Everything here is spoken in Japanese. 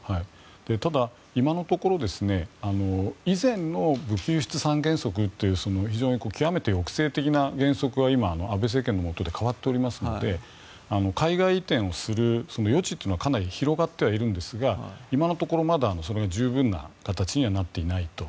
ただ、今のところ以前の武器輸出三原則という非常に極めて抑制的な原則は今、安倍政権のもとで変わっておりますので海外移転をする余地はかなり広がってはいるんですが今のところまだそれが十分な形にはなっていないと。